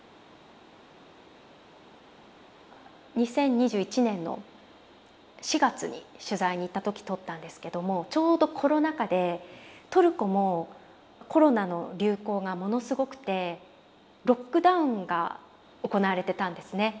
２０２１年の４月に取材に行った時撮ったんですけどもちょうどコロナ禍でトルコもコロナの流行がものすごくてロックダウンが行われてたんですね。